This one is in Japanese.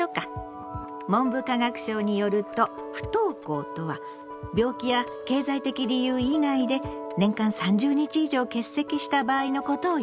文部科学省によると不登校とは病気や経済的理由以外で年間３０日以上欠席した場合のことをいうの。